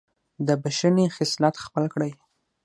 د بښنې خصلت خپل کړئ.